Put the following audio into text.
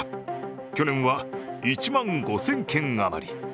去年は１万５０００件余り。